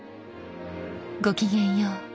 ごきげんよう。